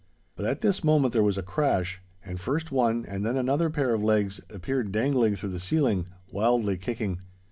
But at this moment there was a crash, and first one and then another pair of legs appeared dangling through the ceiling, wildly kicking.